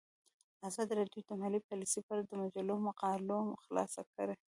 ازادي راډیو د مالي پالیسي په اړه د مجلو مقالو خلاصه کړې.